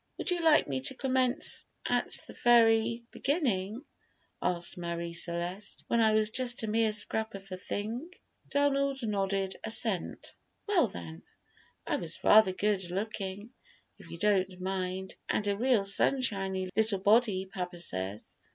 "Would you like me to commence at the very beginning," asked Marie Celeste, "when I was just a mere scrap of a thing?" Donald nodded assent. "Well, then, I was rather good looking, if you don't mind, and a real sunshiny little body, papa says."